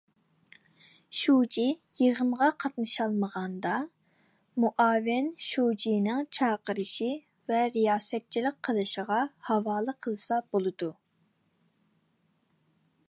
شۇجى يىغىنغا قاتنىشالمىغاندا، مۇئاۋىن شۇجىنىڭ چاقىرىشى ۋە رىياسەتچىلىك قىلىشىغا ھاۋالە قىلسا بولىدۇ.